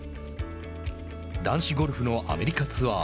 男子ゴルフのアメリカツアー。